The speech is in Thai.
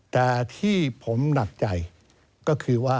แต่ที่ผมหนักใจก็คือว่า